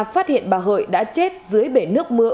phát hiện bà hội đã chết dưới bể nước mưa